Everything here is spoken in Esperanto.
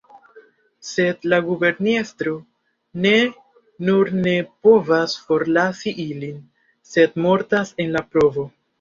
Sed la guberniestro ne nur ne povas forlasi ilin, sed mortas en la provo.